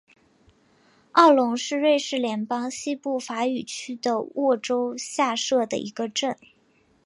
奥龙是瑞士联邦西部法语区的沃州下设的一个镇。